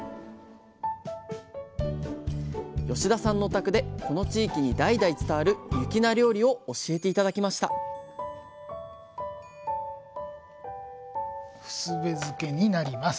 田さんのお宅でこの地域に代々伝わる雪菜料理を教えて頂きました「ふすべ漬」になります。